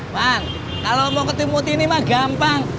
man kalau mau ketemu tini mah gampang